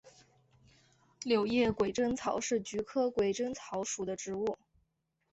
柳叶鬼针草是菊科鬼针草属的植物。